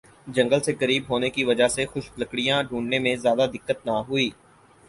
جنگل سے قریب ہونے کی وجہ سے خشک لکڑیاں ڈھونڈنے میں زیادہ دقت نہ ہوئی